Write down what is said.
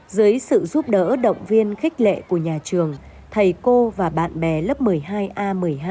dưới sự giúp đỡ động viên khích lệ của nhà trường thầy cô và bạn bè lớp một mươi hai a một mươi hai